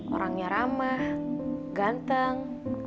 orangnya ramah ganteng